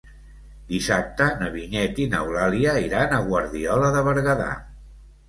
Dissabte na Vinyet i n'Eulàlia iran a Guardiola de Berguedà.